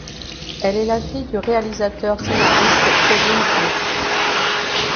Elle est la fille du réalisateur-scénariste Kevin Smith.